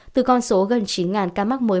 từ con số gần chín ca mắc mới